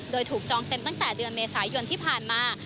โดยถูกจองเต็มตั้งแต่เดือนเมษายนที่ผ่านมา